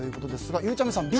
ゆうちゃみさんはＢ。